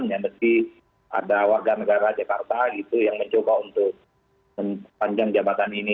menyambet di ada warga negara jakarta gitu yang mencoba untuk memperpanjang jabatan ini